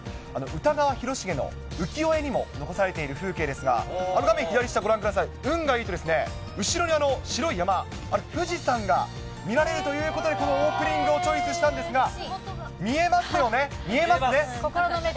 歌川広重の浮世絵にも残されている風景ですが、画面左下、ご覧ください、運がいいと、後ろに白い山、あれ、富士山が見られるということで、このオープニングをチョイスしたんですが、見えますよね、見えま心の目で。